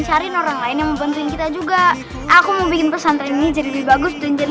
cari orang lain yang membantu kita juga aku mau bikin pesan tren ini jadi bagus dan jadi